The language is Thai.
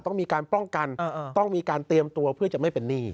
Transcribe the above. ต้องมีการป้องกันต้องมีการเตรียมตัวเพื่อจะไม่เป็นหนี้